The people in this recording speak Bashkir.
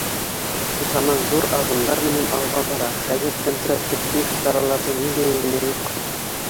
Заман ҙур аҙымдар менән алға бара: хәҙер контрацептив сараларҙың ниндәйе генә юҡ!